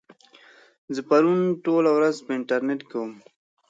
زه پرون ټوله ورځ په انټرنيټ کې وم.